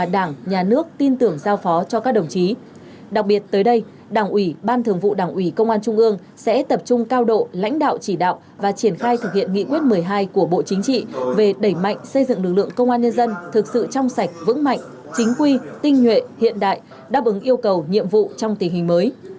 đặc biệt tới đây đảng ủy ban thường vụ đảng ủy công an trung ương sẽ tập trung cao độ lãnh đạo chỉ đạo và triển khai thực hiện nghị quyết một mươi hai của bộ chính trị về đẩy mạnh xây dựng lực lượng công an nhân dân thực sự trong sạch vững mạnh chính quy tinh nhuệ hiện đại đáp ứng yêu cầu nhiệm vụ trong tình hình mới